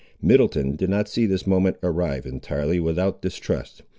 Middleton did not see this moment arrive entirely without distrust.